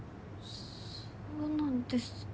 そうなんですね。